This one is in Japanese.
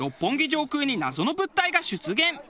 上空に謎の物体が出現。